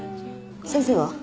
先生は？